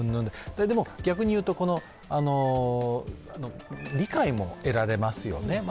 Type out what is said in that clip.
でも、逆に言うと理解も得られますよね。